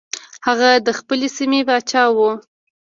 هغه د خپلې سیمې پاچا و.